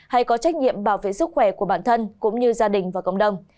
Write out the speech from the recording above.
hay có trách nhiệm bảo vệ sức khỏe của bản thân cũng như gia đình và cộng đồng